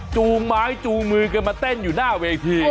จูงไม้จูงมือกันมาเต้นอยู่หน้าเวที